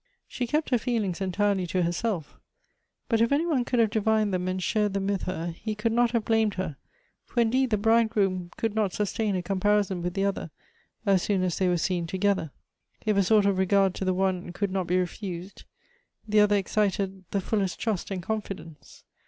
"She kept her feelings entirely to herself; but if any one could have divined them and shared them with her, he could not have blamed her ; for indeed the bridegroom could not sustain a comparison with the other as soon as they were seen together. If a sort of regard to the one could not be refused, the other excited the fullest trust and confidence.